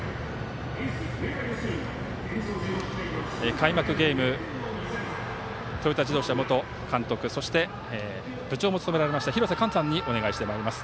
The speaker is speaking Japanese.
開幕ゲームはトヨタ自動車元監督そして、部長も務められました廣瀬寛さんにお願いしてまいります。